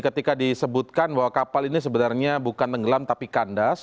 ketika disebutkan bahwa kapal ini sebenarnya bukan tenggelam tapi kandas